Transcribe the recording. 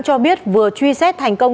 cho biết vừa truy xét thành công